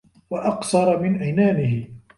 وَأَقْصَرَ مِنْ عِنَانِهِ